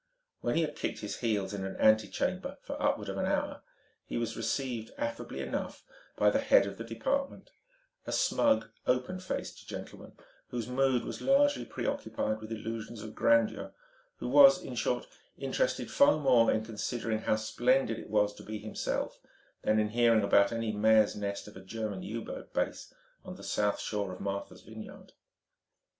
When he had kicked his heels in an antechamber upward of an hour, he was received, affably enough, by the head of the department, a smug, open faced gentleman whose mood was largely preoccupied with illusions of grandeur, who was, in short, interested far more in considering how splendid it was to be himself than in hearing about any mare's nest of a German U boat base on the south shore of Martha's Vineyard.